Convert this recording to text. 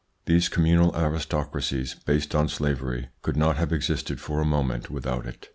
These communal aristocracies, based on slavery, could not have existed for a moment without it.